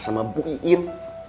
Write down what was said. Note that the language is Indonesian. sama bu iin